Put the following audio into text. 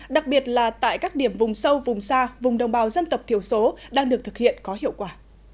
đặc biệt là tại các điểm vùng sâu vùng xa vùng đồng bào dân tộc thiểu số đang được thực hiện có hiệu quả